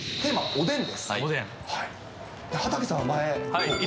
おでん。